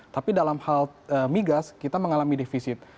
tapi dalam hal migas kita mengalami defisit